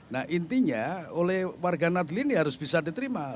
nah intinya oleh warga nadlin ya harus bisa diterima